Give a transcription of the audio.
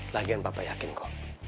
lagian papa yakin kok